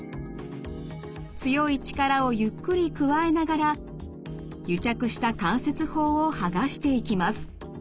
強い力をゆっくり加えながら癒着した関節包をはがしていきます。